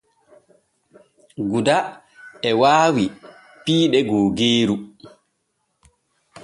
Guda e waawi piiɗe googeeru.